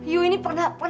you ini pernah